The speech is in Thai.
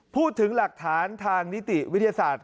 พูดถึงหลักฐานทางนิติวิทยาศาสตร์